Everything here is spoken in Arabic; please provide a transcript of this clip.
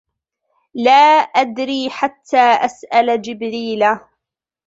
لَا أَدْرِي حَتَّى أَسْأَلَ جِبْرِيلَ